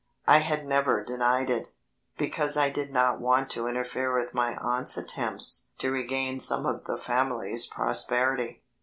I had never denied it, because I did not want to interfere with my aunt's attempts to regain some of the family's prosperity.